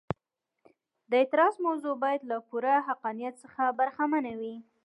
د اعتراض موضوع باید له پوره حقانیت څخه برخمنه وي.